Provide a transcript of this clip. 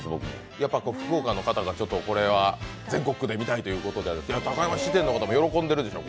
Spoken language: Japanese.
やっぱり福岡の方がこれ、全国区で見たいということで、高山質店の方も喜んでるでしょう。